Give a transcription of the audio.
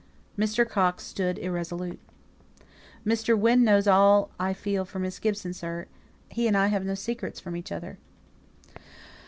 Mr. Coxe stood irresolute. "Mr. Wynne knows all I feel for Miss Gibson, sir. He and I have no secrets from each other."